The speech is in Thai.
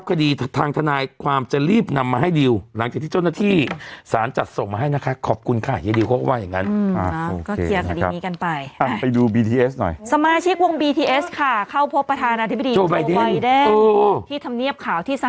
พอดีเขาบอกว่าผมมันเป็นนิ้วที่ไต